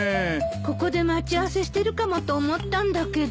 ここで待ち合わせしてるかもと思ったんだけど。